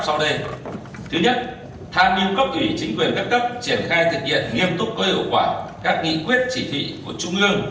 sau đây thứ nhất tham nhu cấp ủy chính quyền cấp cấp triển khai thực hiện nghiêm túc có hiệu quả các nghị quyết chỉ thị của trung ương